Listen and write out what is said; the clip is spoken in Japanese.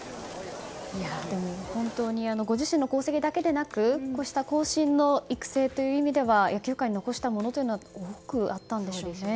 本当にご自身の功績だけでなくこうした後進の育成という意味では野球界に残したものというのは多くあったんでしょうね。